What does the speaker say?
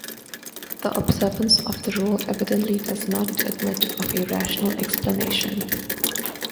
The observance of the rule evidently does not admit of a rational explanation.